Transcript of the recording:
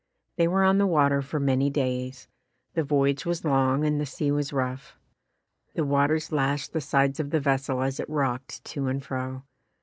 They were on the water for many days. The voyage was long and the sea was rough. The waters lashed the sides of the vessel as it rocked to and fro.